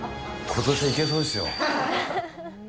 ことしはいけそうですよ。